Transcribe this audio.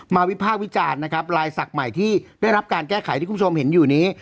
วิภาควิจารณ์นะครับลายศักดิ์ใหม่ที่ได้รับการแก้ไขที่คุณผู้ชมเห็นอยู่นี้